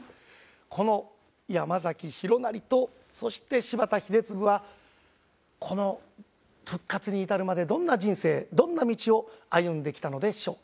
この山崎弘也とそして柴田英嗣はこの復活に至るまでどんな人生どんな道を歩んできたのでしょうか？